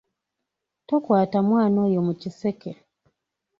Tokwata mwana oyo mu kiseke.